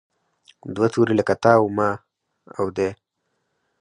دوه توري لکه تا، ما او دی.